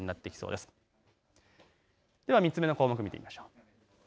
では３つ目の項目、見てみましょう。